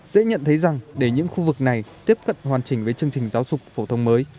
dễ nhận thấy rằng để những khu vực này tiếp cận hoàn chỉnh với chương trình giáo dục phổ thông mới